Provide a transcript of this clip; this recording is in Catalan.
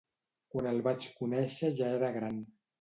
Quan el vaig conèixer ja era gran.